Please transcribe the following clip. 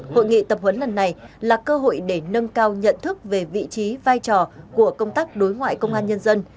hội nghị tập huấn lần này là cơ hội để nâng cao nhận thức về vị trí vai trò của công tác đối ngoại công an nhân dân